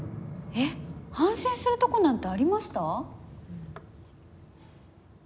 えっ反省するとこなんてありました？